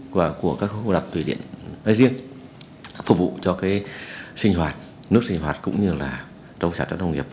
và của các hồ đập thủy điện nói riêng phục vụ cho sinh hoạt nước sinh hoạt cũng như là trong sản xuất nông nghiệp